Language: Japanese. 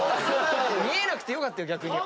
見えなくてよかった逆に。